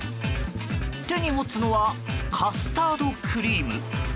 手に持つのはカスタードクリーム。